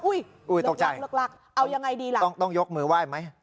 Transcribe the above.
อุ๊ยลูกหลักเอายังไงดีล่ะตกใจต้องยกมือไหว้ไหม